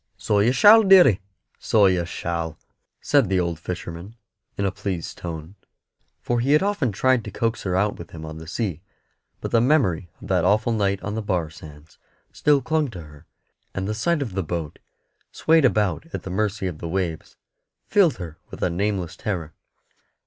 "So you shall, deary, so you shall," said the old fisherman, in a pleased tone, for he had often tried to coax her out with him on the sea; but the memory of that awful night on the bar sands still clung to her, and the sight of the boat, swayed about at the mercy of the waves, filled her with a nameless terror.